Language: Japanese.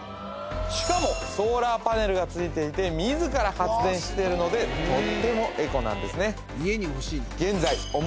しかもソーラーパネルがついていて自ら発電してるのでとってもエコなんですね